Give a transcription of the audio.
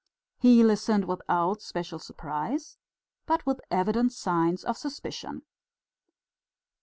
He listened without special surprise, but with evident signs of suspicion.